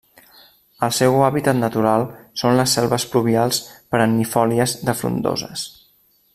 El seu hàbitat natural són les selves pluvials perennifòlies de frondoses.